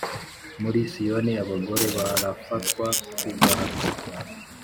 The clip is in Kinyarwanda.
Muri Siyoni, abagore barafatwa ku gahato,